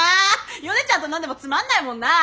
ヨネちゃんと飲んでもつまんないもんな。